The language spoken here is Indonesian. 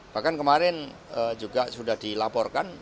bahkan kemarin juga sudah dilaporkan